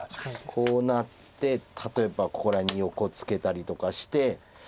こうなって例えばここら辺に横ツケたりとかして。